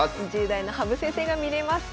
２０代の羽生先生が見れます。